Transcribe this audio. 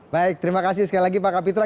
baik terima kasih sekali lagi pak kapitra